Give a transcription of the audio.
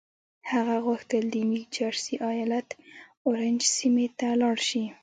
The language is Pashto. هغه غوښتل د نيو جرسي ايالت اورنج سيمې ته لاړ شي.